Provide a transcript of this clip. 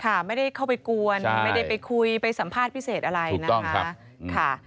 ค่ะไม่ได้เข้าไปกวนไม่ได้ไปคุยไปสัมภาษณ์พิเศษอะไรนะคะค่ะ